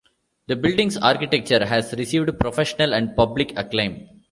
The building's architecture has received professional and public acclaim.